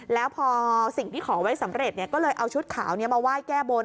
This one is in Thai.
แล้วพอสิ่งที่ขอไว้สำเร็จก็เลยเอาชุดขาวมาไหว้แก้บน